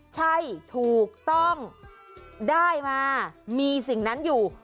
ใช่ถูกต้องได้มามีสิ่งนั้นอยู่